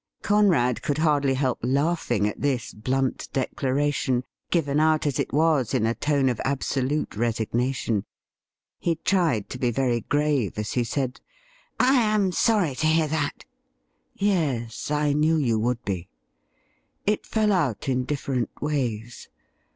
Conrad could hardly help laughing at this blunt declara tion, given out as it was in a tone of absolute resignation. He tried to be very grave as he said :' I am sorry to hear that.' 'Yes, I knew you would be. It fell out in different ways.